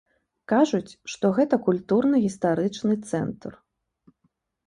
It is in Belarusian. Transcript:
Кажуць, што гэта культурна-гістарычны цэнтр.